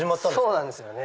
そうなんですよね。